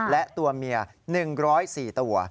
และตัวเมีย๑๐๔ตัว